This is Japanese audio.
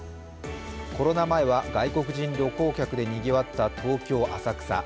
コロナ前は外国人旅行客でにぎわった東京・浅草。